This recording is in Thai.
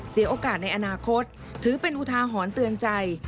เสียโอกาสในอนาคตถือเป็นอุทาหรณ์เตือนใจ